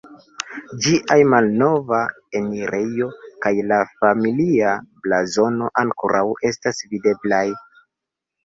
Ĝiaj malnova enirejo kaj la familia blazono ankoraŭ estas videblaj.